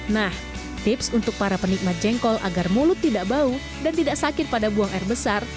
nah tips untuk para penikmat jengkol agar mulut tidak bau dan tidak sakit pada buang air besar